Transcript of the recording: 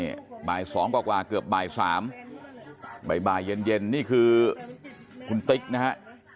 นี่บ่าย๒กว่าเกือบบ่าย๓บ่ายเย็นนี่คือคุณติ๊กนะฮะ